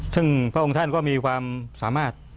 ซึ่งพระองค์ท่านก็มีความสามารถ